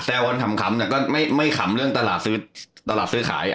แซลวัลทำขำแต่ก็ไม่ขำเรื่องตลาดซื้อขาย